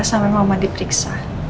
sampe mama diperiksa